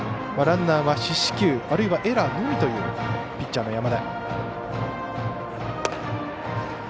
ランナーは四死球あるいはエラーのみというピッチャーの山田。